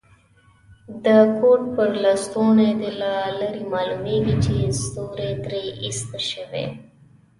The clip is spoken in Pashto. د کوټ پر لستوڼي دي له لرې معلومیږي چي ستوري ترې ایسته شوي.